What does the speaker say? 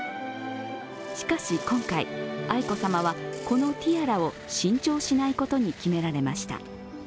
しかし今回、愛子さまはこのティアラを新調しないことに決められました。